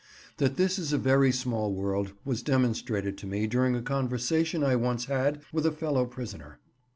That this is a very small world was demonstrated to me during a conversation I once had with a fellow prisoner.